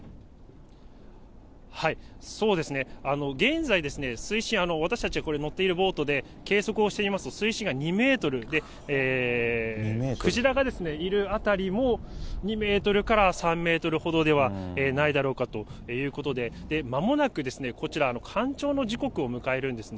そうですね、現在、水深、私たちが乗っているボートで計測をしてみますと、水深が２メートルで、クジラがいる辺りも２メートルから３メートルほどではないだろうかということで、まもなくこちら、干潮の時刻を迎えるんですね。